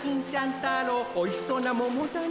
太郎おいしそうなももだね。